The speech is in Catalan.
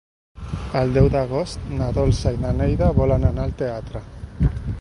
El deu d'agost na Dolça i na Neida volen anar al teatre.